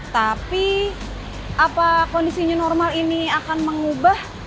tapi apa kondisinya normal ini akan mengubah